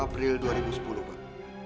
dua puluh april dua ribu sepuluh pak